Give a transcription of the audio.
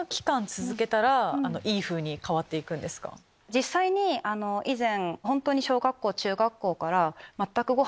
実際に以前。